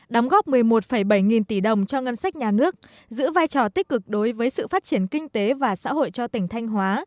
đóng góp một mươi một bảy nghìn tỷ đồng cho ngân sách nhà nước giữ vai trò tích cực đối với sự phát triển kinh tế và xã hội cho tỉnh thanh hóa